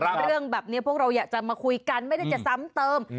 เรื่องแบบนี้พวกเราอยากจะมาคุยกันไม่ได้จะซ้ำเติม